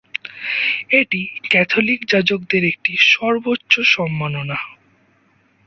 এটি ক্যাথলিক যাজকদের একটি সর্বোচ্চ সম্মাননা।